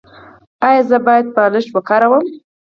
ایا زه باید بالښت وکاروم؟